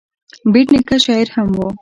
بېټ نیکه شاعر هم و.